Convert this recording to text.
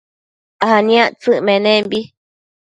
aniactsëc menembi